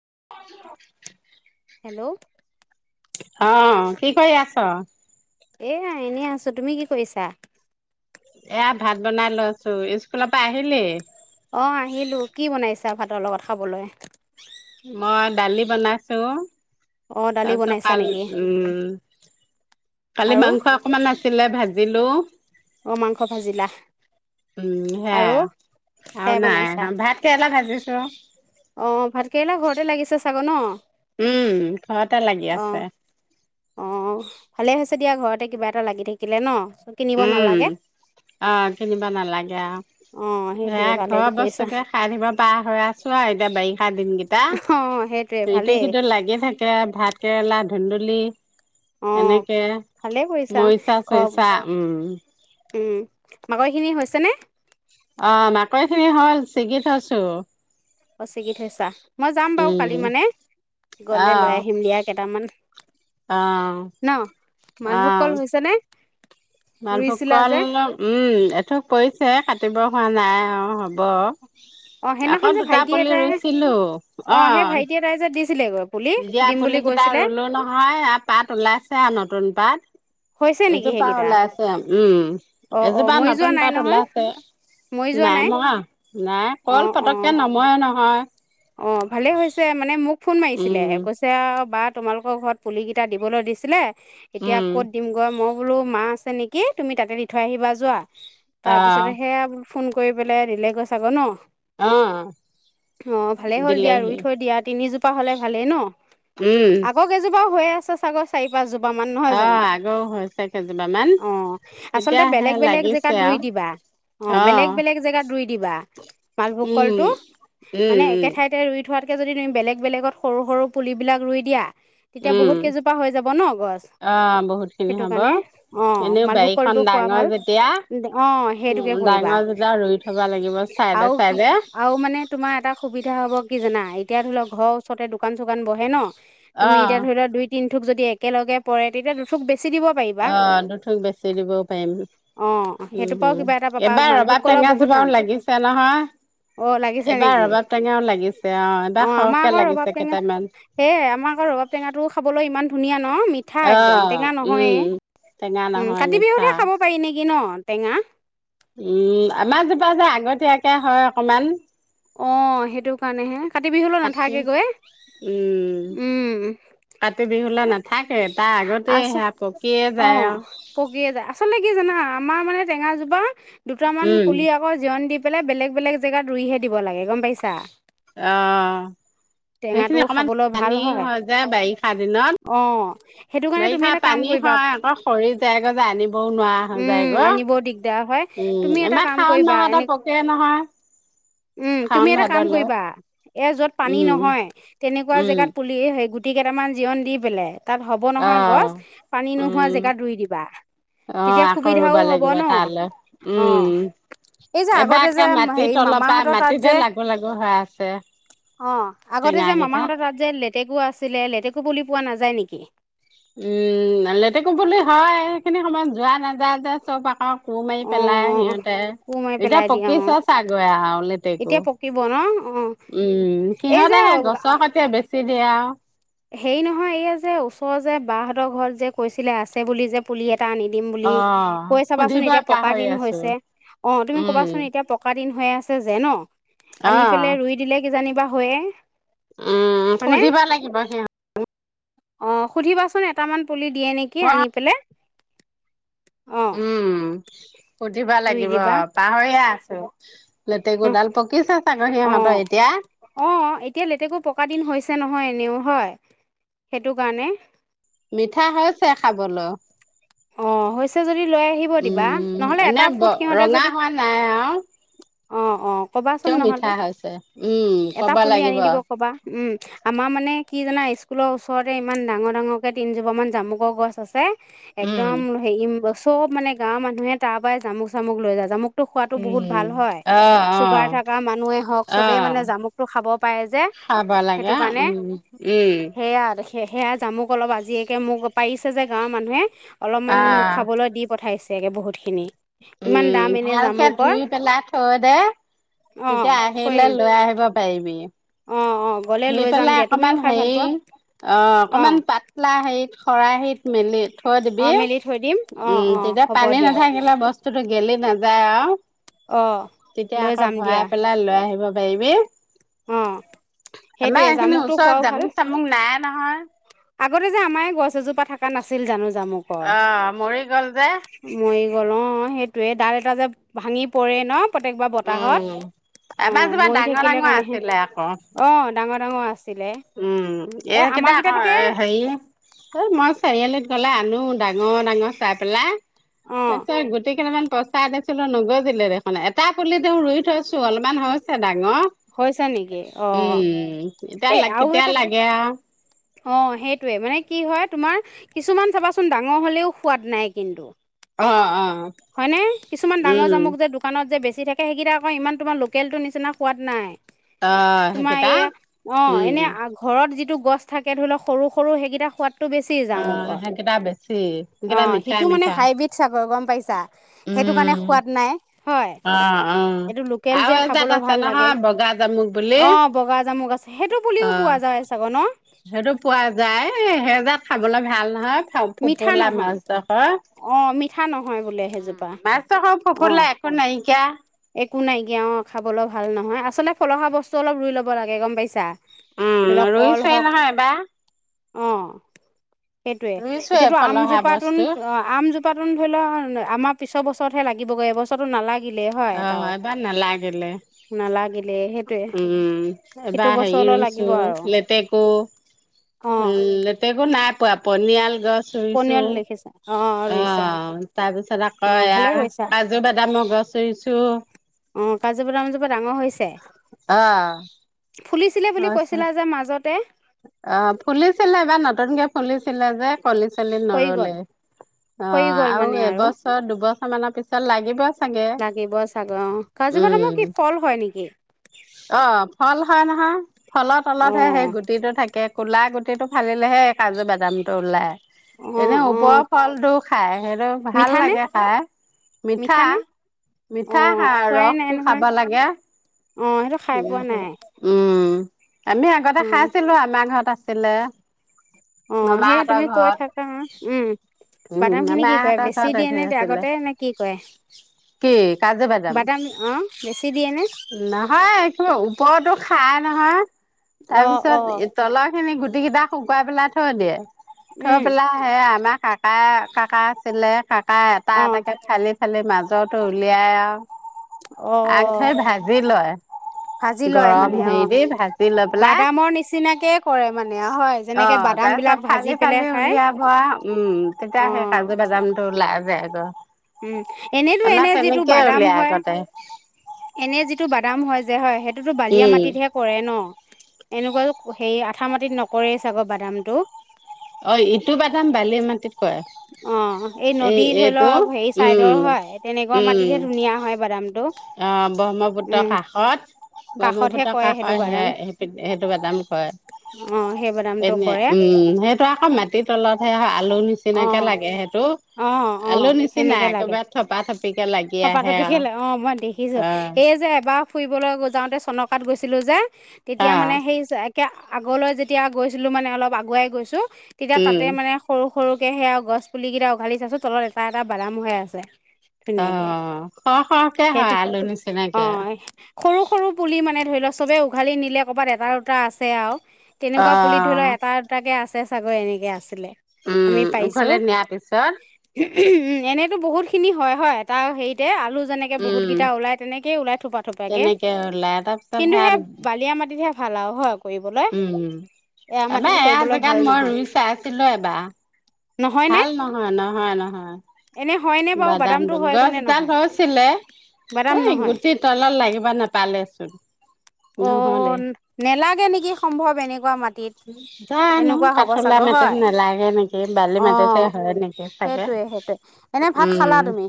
[unintelligible] Hello অ কি কৰি আছ এয়া এনেই আছো তুমি কি কৰিছা এয়া ভাত বনাই লৈছো স্কুলৰ পা আহিলি অ আহিলো, কি বনাইছা ভাতৰ লগত খাবলৈ মই দালি বনাইছো অ দালি তাৰ পিছত বনাইছা কাল নেকি উম কালি আৰু মাংস অকমান আছিলে ভা জিলো অ মাংস ভাজিলা উম আৰু সেয়াই আৰু খেৰ নাই বনাইছা অ ভাত কেৰেলা ভাজিছো অ ভাতকেইলা ঘৰতে লাগি ছে ছাগৌ ন উম ঘৰতে লাগি অ আছে অ' ভালে হৈছে দিয়া, ঘৰতে কিবা এটা লাগি থাকিলে ন। কিনিব উম, নালাগে আহ, কিনিবা নালাগে আও। অ এয়া, সেইটোয়ে ভালে ঘৰৰ কৰিছা বস্তুকে খাই থাকিব পাৰা হৈ আছো আৰু এতিয়া বাৰিষা দিন। অ সেইটোয়ে ভালেই ইটো-সিটো লাগি থাকে আ। ভাত কেৰেলা, ধুন্দুলি, অ এনেকে ভালে কৰিছা ঘৰ মৰিচা-চইচা। উম। উম, মাকৈ খিনি হৈছে নে? অ' মাকৈ খিনি হ'ল, ছিগি থৈছোঁ। অ' ছিগি থৈছা? মই যাম বাৰু কালি মানে, গ'লে আহ লৈ আহিম দিয়া কেইটামান। আহ। ন মালভোগ আহ কল হৈছে নে? মালভোগ ৰুইছিলা কল যে উম এথোক পৰিছে কাটিব হোৱা নাই [unintelligible] হ অ আকৌ সেইদিনাখন যে দুটা ভাইটি পুলি এটাই ৰুইছিলো অ সেই [unintelligible] ভাইটি এটাই যে দিছিলেগৈ পুলি দিয়া দিম বুলি পুলি কেইটা কৈছিলে ৰুলো নহয়, আৰু পাত ওলাইছে আৰু নতুন। [unintelligible] পাট [inaudible] হৈছে নেকি এজোপা সেইকেইটা ওলাইছে উম অ অ এজোপা মৰি যোৱা নতুন নাই পাত নহয় ওলাইছে, মৰি যোৱা নাই মৰা নাই অ কল অ পতককে নমৰে নহয়। [unintelligible] অ ভালেই হৈছে মানে মোক। [unintelligible] ফোন মাৰিছিলে উম কৈছে বাট। [unintelligible] তোমালোকৰ ঘৰত পুলি কেইটা দিবলৈ দিছিলে। [unintelligible] এতিয়া উম কত দিম গৈ মই। [unintelligible] বোলো মা আছে নেকি তুমি তাতে দি থৈ আহিবা যোৱা। [unintelligible] তাৰ আহ পিছত সেয়া। [unintelligible] ফোন কৰি পেলাই দিলে গৈ আগৌ ন [unintelligible] অ [inaudible] অ ভালে হ'ল দিয়া দিলেহি ই থৈ দিয়া তিনি যু [unintelligible] পা হ'লে ভালেই ন [unintelligible] উম আকৌ কেইজোপাও হৈ আছে [unintelligible] চচাগৰ চাইদ [inaudible] দহ জোপা মান নহয় জানো অ', আগৌ হৈছে কেইজোপা মান। অ আচলতে এতিয়া সে বেলেগ বেলেগ লাগিছে জেগাত ৰুই আৰু দিবা অ বেলেগ বেলেগ জেগাত ৰুই দিবা মালভোগ উম, কলটো। [unintelligible] উম, মানে একে ঠাইতে ৰুই থোৱা। [unintelligible] এতিয়া যদি তুমি বেলেগ বেলেগত সৰু সৰু পুলি বিলাক ৰুই দিয়া। [unintelligible] উম, তেতিয়া উম, বহুত কেইজোপা হৈ যাব ন গছ তেতিয়া বহুত কেইজোপা হৈ যাব ন গছ অ', বহুত [unintelligible] খিনি সেইটো হ'ব। কাৰণে অ এনেও মালভোগ বাৰীখন কলটো খোৱা ডাঙৰ ভাল যেতিয়া অ সেইটোকে উম, কৰিবা ডাঙৰ যেতিয়া ৰুই থব লাগিব চাইডে আৰু কি চাইডে। আৰু মানে তোমাৰ এটা সুা হ' কিানো [unintelligible] নাই এতিয়া ধৰি লওক ঘৰৰ ওচৰতে দোকান চোকান বহে ন। [unintelligible] তুমি অ', এতিয়া ধৰি লোৱা দুই তিনি। [unintelligible] থুক যদি একেলগ পৰে তেতিয়া দুথুক বেছি। দিব পাৰিবা অ দুঠুক বেচি দিবও পাৰিম অ', সেইটো পৰাও উমম কিবা এটা পাবা এবাৰ মালভোগ ৰবাব কলৰ টেঙা বহুত দাম জোপাও লাগিছে নহয় অ', লাগিছে এবাৰ নেকি? ৰবাব টেঙা। অ আমাৰ আকৌ ৰবাব টেঙা কেইটামান। সেে আমাৰ আকৌ ৰবাব টেঙাো খাবলৈ ইমান। [unintelligible] ধুনীয়া। [unintelligible] ন মিঠা একদম অ', টেঙা উম, নহয়ে টেঙা উম নহয় কাতি মিঠা। বিহুতহে খাব পাৰি নেকি ন। [unintelligible] টেঙা [unintelligible] উম আমাৰ জোপা যে আগতীয়াকে হয় অকমান। [unintelligible] আহ সেইটো কাৰণেহে কাতি বিহুলৈ কাতি নাথাকেগৈ উম, উম কাতি বিহুলৈ নাথাকে তাৰ আগতে আচ সেয়া পকিয়ে অ যায় আৰু পকিয়ে যায় আচলতে কি জানা আমাৰ মানে। [unintelligible] টেঙা জোপা। দুটামান উম, পুলি আকৌ জন দি পালে বেলেগ বেলেগ জেগাত ৰুইহে দি দিব লাগে গম পাইছা। অ টেঙাটো সেইখিনি অকমান খাবলৈ ভাল পানী হয় হৈ যে বাৰিষা দিনত অ', সেইটো কাৰণে তুমি বাৰিষা এটা কাম পানী কৰিবা হয় আকৌ সৰি যায়গৈ যে আনিবও নোৱাৰা হয় উম আনিবও দিগদাৰ হয় যায়গৈ তুমি উম এটা আমাৰ কাম শাওণ কৰিবা মাহতে এনে পকে নহয়। উম তুমি শাওণ এটা কাম ভাদলৈ কৰিবা এ যত পানী উম, নহয় তেনেকুৱা উম, জেগাত পুলি সেই গুটি কেইটামান জিৰন দি পেলাই। তাত হ'ব নহয় অ', গছ পানী নোহোৱা উম, জেগাত ৰুই দিবা অ', তেতিয়া আকৌ ৰুব সুবিধাও হ'ব লাগিব ন তালৈ অ উম। এই যে এবাৰ আগতে একে যে মাটিৰ হেৰি তলৰ পৰা মামাহঁতৰ অ মাটিতে লাগু লাগু হৈ আছে আগতে টেঙা যে কেইটা। মামাহতৰ তাত যে লেতেকু আছিলে লেতেকু পুলি পোৱা নাযায়। নেকি? উম লেটেকু বুলি হয় সেইখিনি সময় যোৱা নাযায় যে চব আকৌ সুৰ মাৰি অ পেলাই সিহঁতে কোৰ মাৰি এতিয়া পেলাই দিয়ে অ পকিছ চাগৈ আৰু লেতেকু এতিয়া পকিব ন অ উম এই সিহঁতে সে যে গছৰ কতিয়া বেছি দিয়ে আৰু। হেৰি নহয় এইয়া যে ওচৰৰ যে বাঁহ ঘল যে কৈছিলে আছে বুলি যে পুলি এটা নিদিম বুলি অ' কৈ চাবাচোন সুধিবই এতিয়া পকা পাহৰি দিন আছো। হৈছে অ তুমি উম কবাচোন এতিয়া পকা দিন হৈ আছে। যে ন। আনি অ' পেলাই ৰুই দিলে কিজানিবা হয়য়ে। উম খুজিব লাগিব। বাহে অ সুধিবাচোন এটামান পুলিত অ উম। সুধিব ৰুই লাগিব দিবা পাহৰিয়ে আ অ নহ লেতেকুডাল পকিছে চাগৈ অ সিহঁতৰ এতিয়া থকা দিন হৈছে নহয় এনেও হয় সেইটো কাৰণে। মিঠা হৈছে খাবলৈ। অ যদি লৈ আহিব দিবা উম নহ'লে এনে এটা ফুট সিহঁতে ৰঙা যদি হোৱা নাই আৰু অ অ ক'বাচোন কিয় মিঠা নহ'লে হৈছে উম এটা কব পুলি আনি লাগিব। দিব ক'বা আমাৰ মানে কি জানা স্কুলৰ ওচৰতে ইমান ডাঙৰ ডাঙৰকৈ তিনিজোপামান জামুকৰ গছ আছে। উম একদম হেৰি বস্তু। চব মানে গাঁৱৰ মানুহে তাৰ পৰাই জামুক চামুক লৈ যায় জামু টো খোৱাাতো বহুত উম ভাল হয় অ অ চুগাৰ থকা মানুহে হওক অ চবেই মানে জামুকটো খাব পাৰে যে খাব সেইটো লাগে কাৰণে উম উম সেয়া সে সেয়া জামুক অলপ আজিয়াকে মোক পাৰিছে যে গাঁৱৰ মানুহে অলপমান অ মোক খাবলৈ দি পঠাইছে সয়াকৈ বহুতখিনি ইমান উম দাম এনে ভালকে জামুকৰ ধুই পেলাই থৈ দে অ তেতিয়া থৈ আহিলে দিম লৈ আহিব পাৰিবি অ অ গ'লে ধুই লৈ যাম পেলাই দিয়া তুমিও অকমান খাই ভাল হেৰি পোৱা অ অকমান পাতলা হেৰিত খৰাহত মেললে [unintelligible] থৈ অ দিবি মেলি থৈ দিম অ উম অ তেতিয়া হ'ব পানী দিয়া নাথাকিলে বস্তু টো গেলি নাযায় আৰু অ তেতিয়া লৈ আকৌ যাম ভৰাই দিয়া পেলাই লৈ আহিব পাইবি অ [unintelligible] আমাৰ সেইটোয়ে এইখিনি জামুকটো ওচৰত খোৱাও ভাল জামুক চামুক নাই নহয় আগতে যে আমাৰ গছ এজোপা থকা নাছিল জানো জামুকৰ অ মৰি গল যে গ'লঁ সেইটোৱে ডাল এটা যে ভাঙি পৰে ন প্ৰত্যেক বাৰ বতাহত উম। অ আমাৰ জোপা মৰি ডাঙৰ থাকিলে ডাঙৰ কাৰণেহে আছিলে আকৌ অ ডাঙৰ ডাঙৰ আ উম এন কদা [unintelligible] এ হেৰি এই মই চাৰিআলিত কলে আনো ডাঙৰ ডাঙৰ চাই পেলাই [unintelligible] অ তাৰ পিছত গোটেই কেইটামান পচাই দিছিলো নগ জিল দেখ এটা পুলি ত দেও ৰুই থৈছো অলপমান হৈছে দাক [unintelligible] অ হৈছে নেকি অ উম এতিয়া এই লাগ আৰু কেতিয়া এটা লাগে অ সেইটোৱে মানে কি হয় তোমাৰ কিছুমান চাবাচোন ডাঙৰ হ'লেও সোৱাদ নাই কিন্তু অ অ হয়নে কিছুমান ডাঙৰ উম। জামুক যে দোকানত যে বেছি ি থাকে সেইকেইটা আকৌ ইমান তোমাৰ লোকেলটো নিচিনা সোৱাদ নাই অ' তোমাৰ সেইকেইটা এইয়া অ এনে উম। ঘৰত যিটো গছ থাকে ধৰি লওক সৰু সৰু সেইকেইটা সোৱাদ ব অ সেইকেইটা বেছি অ সেইকেইটা মিঠা সিটো মানে মিঠা হাইব্ৰীড চাক গ পাই চা অ সেইটো কাৰণে সোৱাদ নাই হয় অ এইটো লোকেল আৰু যে এজাত খাবলৈ আছে ভাল লাগে নহয় বগা জামুক বুলি অ', বগা জামুক আছে সেইটো অ পুলিও পোৱা যায় চাগ ন সেইটো পোৱা যায় সেই যে খাবলে ভাল নহয় [unintelligible] মিঠা ফোফলা নহয় মাছ দেখা, অ মিঠা নহয় বোলে সেইজোপা উম [unintelligible] অ ফোফলা একো নাইকিয়া একো নাইকিয়া অ', খাবলৈ ভাল নহয় আচলতে ফলহাৰ বস্তু অলপ ৰুই ল'ব লাগে গম পাইছা। উম ধৰি লওক কল ৰুইছোৱে হওক নহয় এবাৰ অ', সেইটোৱে ৰুইছোৱে এতিয়াতো ফলহা আমজোপাটোন বস্তু আমজোপাটোন ধৰি লোৱা আমাৰ পিছৰ বস্তু বছতহে লাগিবহে এবছৰৰতো নালাগিলে। অ', এবাৰ নালাগিলে, নালাগিলে সেইটোৱে উম সেইটো এবাৰ হেৰি বছৰলৈ ৰুইছো লাগিব আৰু লেতেকো অ', উম লেতেকো নাই পোৱা পনিয়াল গছ চুইছো পনিয়ল লিখিছা অ', ৰুইছা অ', তাৰপিছত আকৌ অ', এয়া ভালে কৰিছা। কাজু- বাদামৰ গছ ৰুইছো। অ', কাজু- বাদামজোপা ডাঙৰ হৈছে অ', ফুলিছিলে বুলি কৈছিলা যে মাজতে অ', ফুলিছিলে এবাৰ নতুনকে ফুলিছিলে যে চলি চলি সৰি গ'ল নৰলে অ', সৰি গ'ল আৰু মানে এবছৰ দুবছৰ [inaudible] মানৰ পিছত লাগিব চাগে লাগিব চাগই অ', কাজু -বাদামৰ উম। কি ফল হয় নেকি? অ', ফল হয় নহয়। ফলৰ তলতহে সেই অ', গুটিটো থাকে। ক'লা গুটিটো ফালিলে ফালিলেহে কাজু বাদামটো ওলাই এনে অ', ওপৰৰ অ', ফলটো খায় সেইটো ভাল মিঠানে লাগে খাই মিঠা মিঠানে মিঠা অ', খোৱাই নাই ৰসটো খাব নহয় লাগে অ', সেইটো খাই পোৱা নাই উম আমি আগতে উম, খাইছিলো আমাৰ ঘৰত আছিলে অ', সেয়া মামাহঁতৰ তুমি কৈ ঘৰত থাকা উম উম বাদাম খিনি কি কৰে মামাহঁতৰ বেছি ঘৰত দিয়ে নে ধেৰ আছিলে আগতে নে কি কৰে কি কাজু বাদাম আহ বেছি দিয়ে নে? হয় কিবা ওপৰৰটো খাই নহয় অ অ তাৰপিছত তলত। সনেি গুটি কেইটা শুকুৱাই পেলাই থৈ দিয়ে থৈ উম পেলাই সেয়া আমাৰ কাক ককা কাকা আছিলে কা অ', এটা এটাকে ফালি, ফালি মাজ জো উলিয়াই আৰু আগ ধৰি অ'। ভাজি ভাজি লয় গৰম মানে অ হেৰি দি ভাজি লৈ পেলাই অ', বাদামৰ নিচিনাকে কৰে মানে হয় যেনেকে বাদাম তাৰপিছত বিলাক ভাজি ফালি পেলাই ফালি খাই উলিয়াব উম, তেতিয়া অ সেই কাজু বাজাম টো লাই যায়গ উম, এনেতো এনে যিটো বাদাম উলিয়াই হয়, আগতে এনে যিটো টো বাদাম হয় যে। হয় সেই তো বালিয়া উম মাটিতহে কৰে ন'। এনেকুৱা হে আঠা মাটিত নকৰেই চাগৰ বাদামটো। অ', ইটো বাদাম বালি মাটিত কয় অ নদী এই ধৰি এইটো লওক হেৰি উম, চাইডৰ হয় তেনেকুৱা উম, মাটিতহে ধুনীয়া হয় বাদামটো অ', ব্ৰহ্মপুত্ৰৰ উম কাষত কাষতহে ব্ৰহ্মপুত্ৰৰ কৰে কাষৰ সেইটো বাদাম সেইটো বোদাম কৰে অ সেই বাদামটো এনে কৰে উম, সেই মাটিৰ তলতহে আ আলু অ নিচিনাকে লাগে সেইটো অ অ আলু নিচিনা সেনেকে লাগে একেবাৰে থপা থপিকে লাগি থপা অ', থপিকে আৰু লাগে অ মই দেখিছো অ'। এই যে এবাৰ ফুৰিবলৈ গ যাওঁতে ছনকাত গৈছিলো যে। অ তেতিয়া অ মানে সেই আগলৈ যেতিয়া গৈছিলোঁ মানে অলপ আগুৱাই গৈছোঁ। তেতিয়া তাতে উম মানে সৰু সৰুকে সেয়া গছ পুলি কেইটা উঘালি চাইছো তলত এটা এটা বাদাম হৈ আছে। ধুনীয়াকে অ', সৰহ সৰহকে হয় সেইটো আলু নিচিনাকে। অ', সৰু-সৰু পুলি মানে ধৰি লওঁক চবে উঘালি নিলে ক'ৰবাত এটা দুটা আছে আৰু। তেনেকুৱা পুলিত ধৰি লওঁক অ', এটা এটাকে আছ তে চ আগৈ এনেকৈ আছিলে। আমি উম, পাইছো উঘলে উ নিয়াৰ পিছত এনেতো বহুত খিনি হয় এটা হেৰিতে আলু যেনেকে উম, বহুতকেইটা ওলাই তেনেকে ওলাই থোপা থোপাকে তেনেকে ওলাই তাৰপিছত কিন্তু সেয়া সেই বালিয়া মাটিতহে ভালাও হওঁক। উম, তমাৰ এয়া কৰিবলৈ ভাল জেগাত মই নহয় ৰুই চাইছিলো এবাৰ। নহয় নে ভাল নহয়, নহয়, নহয় এনে হয় নে বাৰু বাদামটো হয়গৈ নে গছডাল নহয় হৈছিলে বাদাম এই নহয় গুটি তলত লাগিব নোপালেচোন। অ', নেলাগে নেকি সম্ভৱ এনেকুৱা মা জানো কাঠলা মোটিত হয় নেলাগে নেকি বালি মাটতহে অ', হয় নেকি চাগে সেইটোৱে সেইটোৱে এনে ভাত খালা উম, তুমি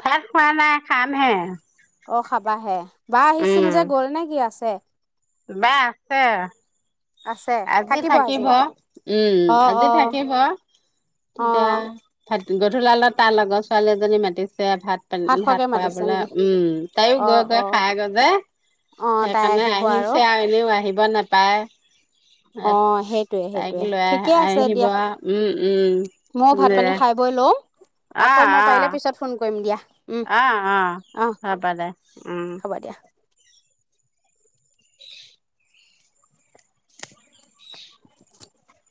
ভাত খোৱা নাই খামহে। অ খাবা হে বা আহিছিল যে গ'ল নে কি আছে বা আছে আজি থাকিব উম অ অ আজি থাকিব অ তেতিয়া আৰু গধূলালত তাৰ লগৰ ছোৱালী এজনী মাতি ছে ভাত পানী ভাত খোৱাকে মাতিছে খুৱাবলৈ নেকি উম তাইও অ গৈ গৈ অ খাই গজে অ তাই সেইকাৰণে আহিব আহিছে আৰু এনেও আহিব নাপায় অ সেইটোৱে তাইক সেইটোৱে লৈ আহ ঠিকে আছে আহিব দিয়া উম উম ময়ো ভাত পানী খাই বৈ লওঁ অ আকৌ মই অ পাৰিলে পিছত ফোন কৰিম দিয়া উম অ অ হবা দে উম হ'ব দিয়া [inaudible]